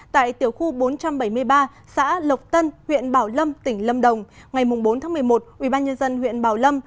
tại tiểu khu bốn trăm bảy mươi ba xã lộc tân huyện bảo lâm tỉnh lâm đồng ngày bốn một mươi một ubnd huyện bảo lâm